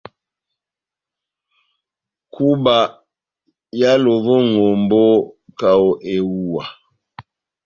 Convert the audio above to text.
Kúba éhálovi ó ŋʼhombó kaho kaho ehuwa .